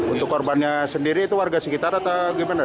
untuk korbannya sendiri itu warga sekitar atau gimana